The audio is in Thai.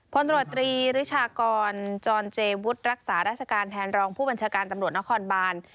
พลตรวจตรีริชากรจรเจวุฒิรักษาราชการแทนรองผู้บัญชาการตำรวจนครบาน